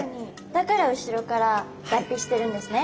だから後ろから脱皮してるんですね。